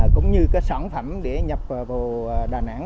cũng như sản phẩm để nhập vào đà nẵng